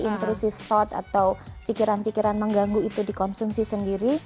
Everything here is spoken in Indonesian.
intrusi shot atau pikiran pikiran mengganggu itu dikonsumsi sendiri